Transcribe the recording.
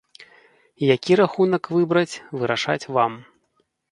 Які рахунак выбраць, вырашаць вам.